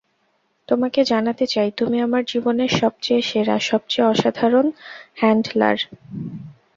তোমাকে জানাতে চাই তুমি আমার জীবনের সবচেয়ে সেরা, সবচেয়ে অসাধারণ হ্যান্ডলার।